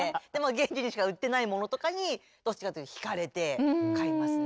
現地にしか売ってないものとかにどっちかというとひかれて買いますね。